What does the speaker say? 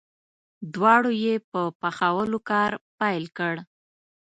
دواړو یې په پخولو کار پیل کړ.